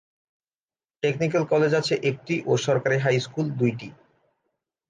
Technical college আছে একটি ও সরকারী হাই স্কুল দুই টি।